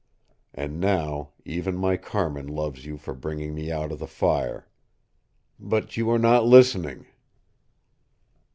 And now, even my Carmin loves you for bringing me out of the fire But you are not listening!"